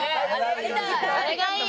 あれがいい。